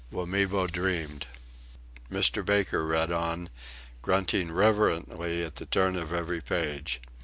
Wamibo dreamed. Mr. Baker read on, grunting reverently at the turn of every page.